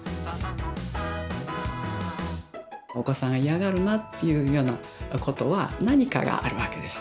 お子さん嫌がるなっていうようなことは何かがあるわけです。